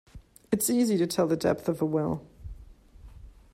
It's easy to tell the depth of a well.